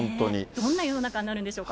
どんな世の中になるんでしょうか。